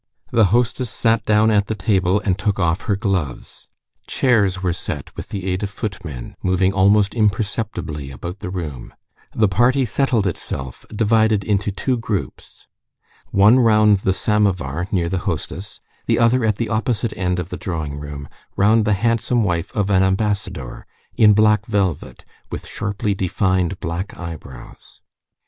The hostess sat down at the table and took off her gloves. Chairs were set with the aid of footmen, moving almost imperceptibly about the room; the party settled itself, divided into two groups: one round the samovar near the hostess, the other at the opposite end of the drawing room, round the handsome wife of an ambassador, in black velvet, with sharply defined black eyebrows.